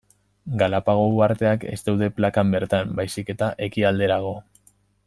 Galapago uharteak ez daude plakan bertan, baizik eta ekialderago.